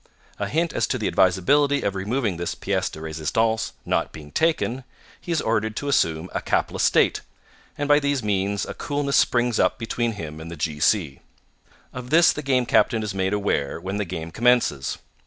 A hint as to the advisability of removing this pièce de résistance not being taken, he is ordered to assume a capless state, and by these means a coolness springs up between him and the G. C. Of this the Game Captain is made aware when the game commences.